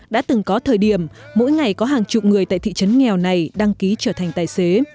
đã từng có thời điểm mỗi ngày có hàng chục người tại thị trấn nghèo này đăng ký trở thành tài xế